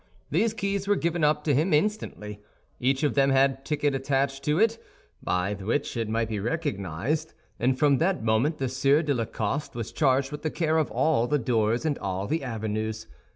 These keys were given up to him instantly. Each of them had a ticket attached to it, by which it might be recognized; and from that moment the Sieur de la Coste was charged with the care of all the doors and all the avenues.